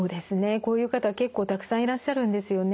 こういう方は結構たくさんいらっしゃるんですよね。